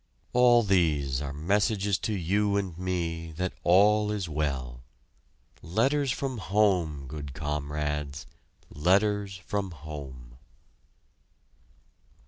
All these are messages to you and me that all is well letters from home, good comrade, letters from home!